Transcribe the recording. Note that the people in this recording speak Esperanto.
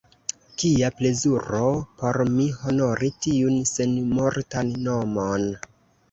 Kia plezuro por mi honori tiun senmortan nomon!